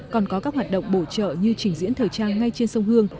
còn có các hoạt động bổ trợ như trình diễn thời trang ngay trên sông hương